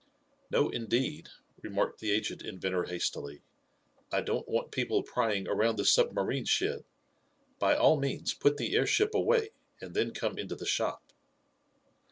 "No, indeed," remarked the aged inventor hastily. "I don't want people prying around the submarine shed. By all means put the airship away, and then come into the shop."